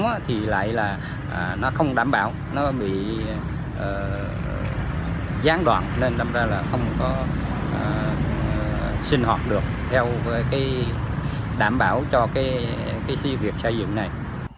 thì lại là nó không đảm bảo nó bị gián đoạn nên đâm ra là không có sinh hoạt được theo cái đảm bảo cho cái sự việc xây dựng này